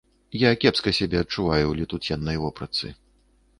Я кепска сябе адчуваю ў летуценнай вопратцы.